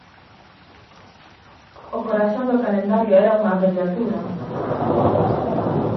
O corazón do calendario era unha abreviatura!